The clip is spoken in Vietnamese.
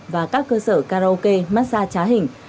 và các cơ sở karaoke massage trá hình